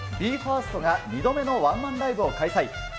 ＢＥ：ＦＩＲＳＴが２度目のワンマンライブを開催。